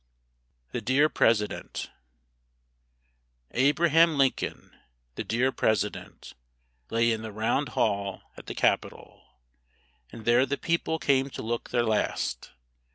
THE DEAR PRESIDENT Abraham Lincoln, the Dear President, Lay in the Round Hall at the Capitol, And there the people came to look their last.